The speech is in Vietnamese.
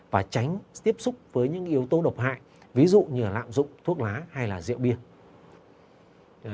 và tránh tiếp xúc với những yếu tố độc hại ví dụ như lạm dụng thuốc lá hay là rượu bia